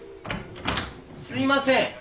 ・・すいません